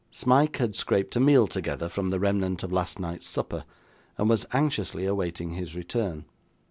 Smike had scraped a meal together from the remnant of last night's supper, and was anxiously awaiting his return.